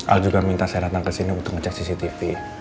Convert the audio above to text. al juga minta saya datang kesini untuk ngecek cctv